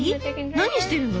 何してるの？